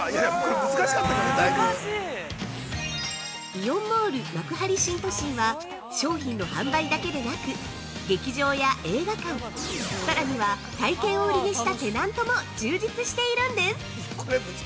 ◆イオンモール幕張新都心は商品の販売だけでなく、劇場や映画館、さらには、体験をウリにしたテナントも充実しているんです。